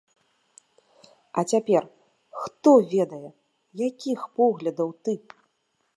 А цяпер хто ведае, якіх поглядаў ты?